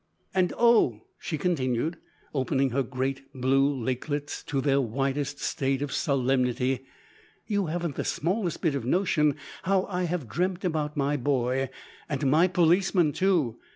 "And oh!" she continued, opening her great blue lakelets to their widest state of solemnity, "you haven't the smallest bit of notion how I have dreamt about my boy and my policeman too!